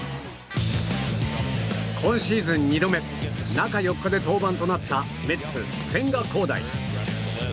今シーズン２度目中４日で登板となったメッツ、千賀滉大。